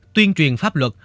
tuyên truyền pháp luật